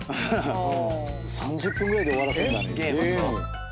３０分ぐらいで終わらせるんだね。